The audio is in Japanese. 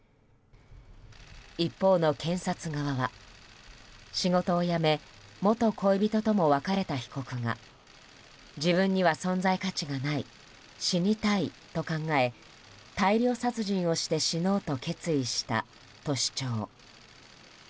一方の検察側は、仕事を辞め元恋人とも別れた被告が自分には存在価値がない死にたいと考え大量殺人をして死のうと決意したと主張。